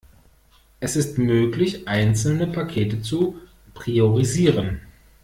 Es ist möglich, einzelne Pakete zu priorisieren.